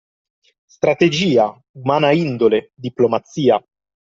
Strategia, umana indole, diplomazia.